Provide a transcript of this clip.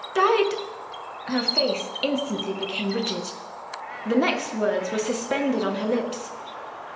Died " Her face instantly became rigid. The next words were suspended on her lips.